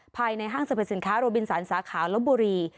ภายในห้างสรรพสินค้าโรบินสันสาขาลบบุรี